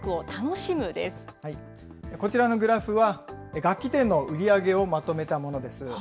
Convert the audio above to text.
こちらのグラフは、楽器店の売り上げをまとめたものです。